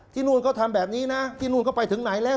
นู่นก็ทำแบบนี้นะที่นู่นก็ไปถึงไหนแล้ว